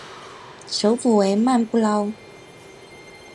首府为曼布劳。